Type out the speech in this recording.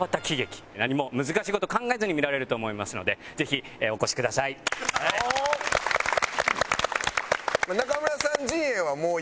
何も難しい事を考えずに見られると思いますのでぜひお越しください。って思ってる。